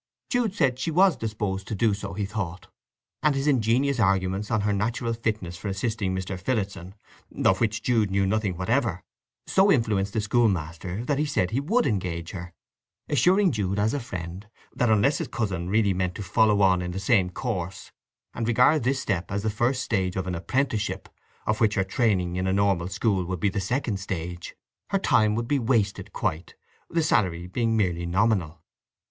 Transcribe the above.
Jude said she was disposed to do so, he thought, and his ingenious arguments on her natural fitness for assisting Mr. Phillotson, of which Jude knew nothing whatever, so influenced the schoolmaster that he said he would engage her, assuring Jude as a friend that unless his cousin really meant to follow on in the same course, and regarded this step as the first stage of an apprenticeship, of which her training in a normal school would be the second stage, her time would be wasted quite, the salary being merely nominal.